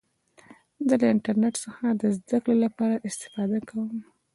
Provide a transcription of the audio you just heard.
زه له انټرنټ څخه د زدهکړي له پاره استفاده کوم.